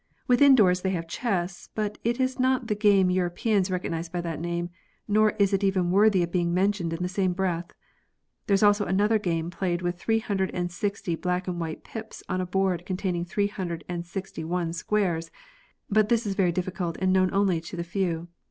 Within doors they have chess, but it is not the game Europeans recognise by that name, nor is it even worthy of being mentioned in the same breath. There is also another game played with three hundred and sixty black and white pips on a board con taining three hundred and sixty one squares, but this is very difficult and known only to the few.